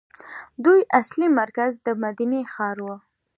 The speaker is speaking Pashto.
دوی اصلي مرکز د مدینې ښار وو.